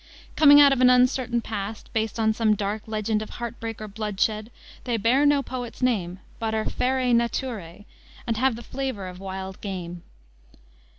Coming out of an uncertain past, based on some dark legend of heart break or bloodshed, they bear no poet's name, but are ferae naturae, and have the flavor of wild game.